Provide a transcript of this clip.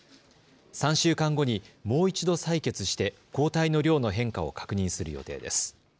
３週間後にもう一度採血して抗体の量の変化を確認する予定です。